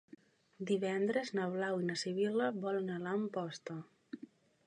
Divendres na Blau i na Sibil·la volen anar a Amposta.